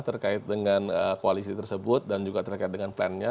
terkait dengan koalisi tersebut dan juga terkait dengan plannya